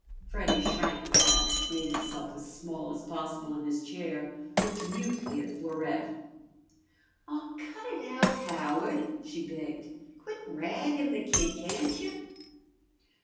Freddy shrank back, made himself as small as possible in his chair, looked mutely at Florette. "Aw, cut it out, Howard," she begged. "Quit raggin' the kid, can't you?"